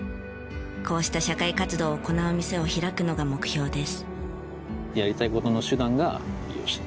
こうした社会活動を行う店を開くのが目標です。